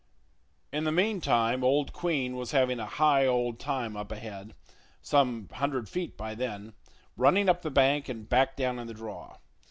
In the meantime, old Queen was having a high old time up ahead, some hundred feet by then, running up the bank and back down in the draw.